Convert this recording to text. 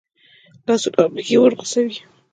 لاسونه او پښې ورغوڅوي.